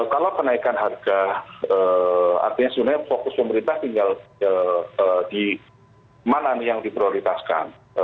kalau kenaikan harga artinya sebenarnya fokus pemerintah tinggal di mana yang diprioritaskan